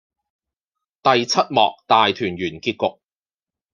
第七幕大團圓結局